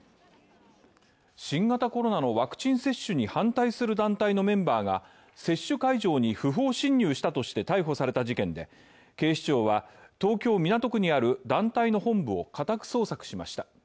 新型コロナのワクチン接種に反対する団体のメンバーが接種会場に不法侵入したとして逮捕された事件で警視庁は東京・港区にある団体の本部を家宅捜索しました。